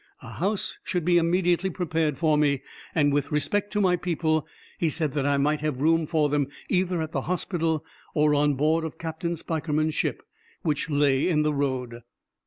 A house should be immediately prepared for me, and with respect to my people, he said that I might have room for them either at the hospital or on board of Captain Spikerman's ship, which lay in the road....